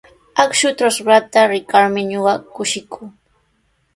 Akshu trakraata rikarmi ñuqa kushikuu.